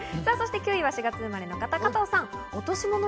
９位は４月生まれの方、加藤さん。